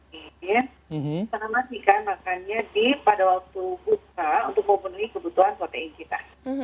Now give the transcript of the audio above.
karena mas ikan makannya pada waktu usaha untuk memenuhi kebutuhan protein kita